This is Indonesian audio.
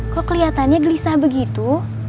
kok keliatannya gelisah begitu